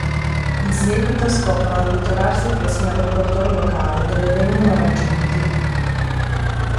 In seguito scoprono di trovarsi presso un agricoltore locale, dove vengono raggiunti.